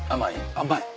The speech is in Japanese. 甘い。